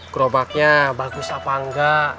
grobaknya bagus apa engga